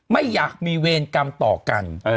ไม่อยากมีเวรกรรมต่อกัน